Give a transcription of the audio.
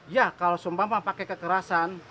ya kalau sumpah pak pakai kekerasan